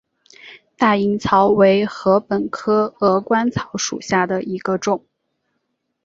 大颖草为禾本科鹅观草属下的一个种。